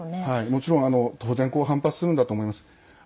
もちろん当然、反発するんだと思います。